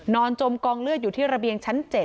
จมกองเลือดอยู่ที่ระเบียงชั้น๗